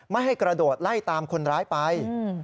ไม่ให้กระโดดไล่ตามคนร้ายไป